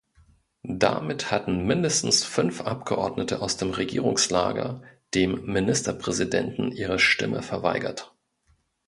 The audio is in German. Damit hatten mindestens fünf Abgeordnete aus dem Regierungslager dem Ministerpräsidenten ihre Stimme verweigert.